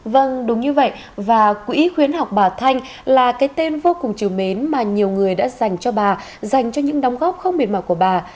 vâng đúng như vậy và quỹ khuyến học bà thanh là cái tên vô cùng chiều mến mà nhiều người đã dành cho bà dành cho những đóng góp không miệt mỏi của bà